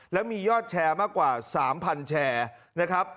แล้วมียอดแชร์มากกว่า๓๐๐แชร์นะครับ